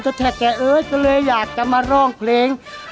ก็แค่แกเอ้ยก็เลยอยากจะมาร้องเพลง